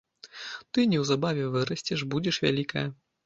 Ты неўзабаве вырасцеш, будзеш вялікая.